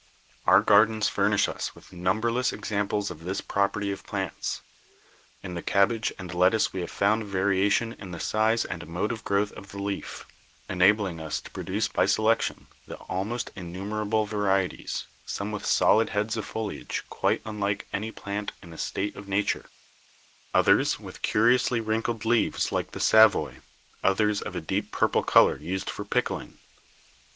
Our gardens furnish us with numberless examples of this property of plants. In the cabbage and lettuce we have found variation in the size and mode of growth of the leaf, enabling us to produce by selection the almost innumerable varieties, some with solid heads of foliage quite unlike any plant in a state of nature, others with curiously wrinkled leaves 196 BIOLOGY like the savoy, others of a deep purple color used for pickling.